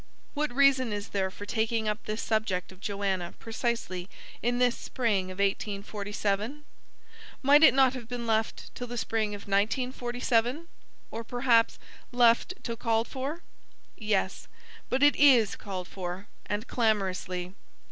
What reason is there for taking up this subject of Joanna precisely in this spring of 1847? Might it not have been left till the spring of 1947? or, perhaps, left till called for? Yes, but it is called for; and clamorously.